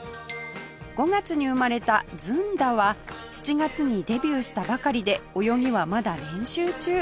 ５月に生まれたずんだは７月にデビューしたばかりで泳ぎはまだ練習中